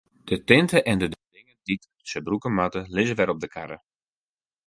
De tinte en de dingen dy't se brûke moatte, lizze wer op de karre.